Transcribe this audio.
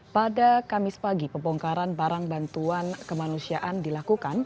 pada kamis pagi pembongkaran barang bantuan kemanusiaan dilakukan